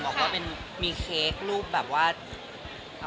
บอกว่าเป็นมีเค้กรูปแบบว่า